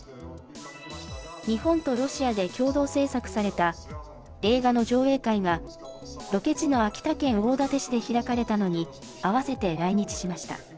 日本とロシアで共同製作された映画の上映会が、ロケ地の秋田県大館市で開かれたのに合わせて来日しました。